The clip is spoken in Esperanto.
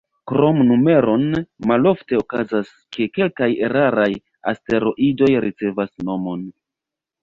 Krom numeron, malofte okazas, ke kelkaj raraj asteroidoj ricevas nomon.